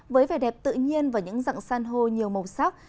với vẻ đẹp tự nhiên và những dặn săn hô nhiều màu sắc